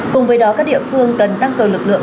cùng với đó các địa phương cần tăng cường lực lượng